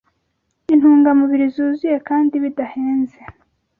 intungamubiri zuzuye kandi bidahenze